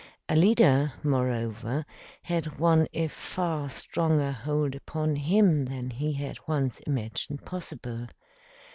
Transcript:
Alida, moreover, had won a far stronger hold upon him than he had once imagined possible.